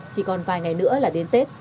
chỉ còn vài ngày nữa là đến tết